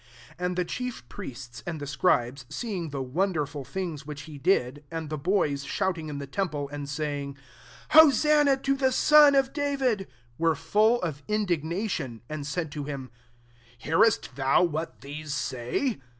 15 And the chief priests and the scribes seeing the wond^« ful things which he did« and the boys shouting in the templei and saying, « Hosanna to the son of David !" were full «f indignation; and said to hioL " Hearest thou what these say?